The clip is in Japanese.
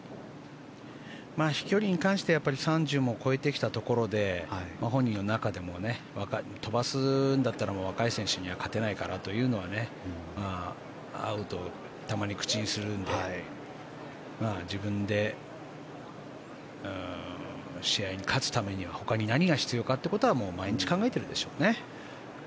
飛距離に関しては３０も超えてきたところで本人の中でも飛ばすんだったら若い選手には勝てないからというのは会うと、たまに口にするので自分で、試合に勝つためにはほかに何が必要かということは毎日考えているでしょうね。